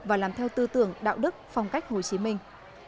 và làm theo tư tưởng đạo đức phong cách hồ chí minh